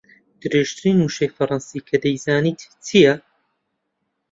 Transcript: درێژترین وشەی فەڕەنسی کە دەیزانیت چییە؟